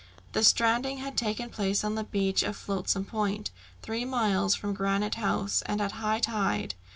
The stranding had taken place on the beach of Flotsam Point, three miles from Granite House, and at high tide.